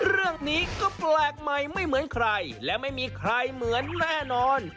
เรื่องนี้ก็แปลกใหม่ไม่เหมือนใครและไม่มีใครเหมือนแน่นอน